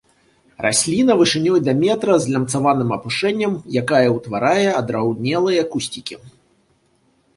Расліна вышынёй да метра з лямцавым апушэннем, якая ўтварае адраўнелыя кусцікі.